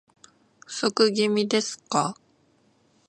不足気味ですか